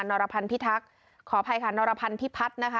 รพันธ์พิทักษ์ขออภัยค่ะนรพันธิพัฒน์นะคะ